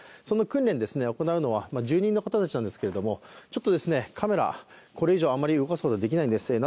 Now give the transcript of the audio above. その訓練を行うのは住人の方たちなんですけれども、カメラ、これ以上あまり動かすことができないんです。